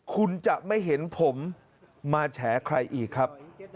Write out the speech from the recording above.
คุณจะไม่เห็นผมมาแฉใครอีกครับ